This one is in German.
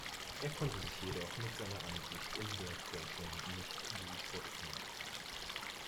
Er konnte sich jedoch mit seiner Ansicht in der Forschung nicht durchsetzen.